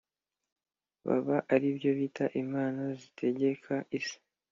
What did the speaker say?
baba ari byo bita imana zitegeka isi.